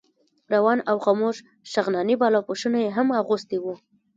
روان او خموش شغناني بالاپوشونه یې هم اخیستي وو.